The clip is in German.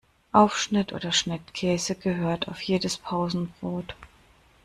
Aufschnitt oder Schnittkäse gehört auf jedes Pausenbrot.